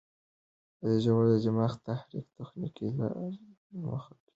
د ژور دماغي تحريک تخنیک لا دمخه کارېږي.